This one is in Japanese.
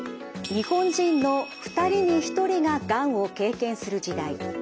日本人の２人に１人ががんを経験する時代。